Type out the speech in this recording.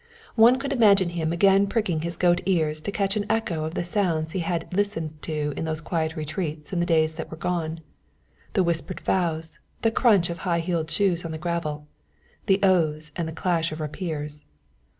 One could imagine him again pricking his goat ears to catch an echo of the sounds he had listened to in those quiet retreats in the days that were gone the whispered vows, the crunch of high heeled shoes on the gravel the oaths and the clash of rapiers.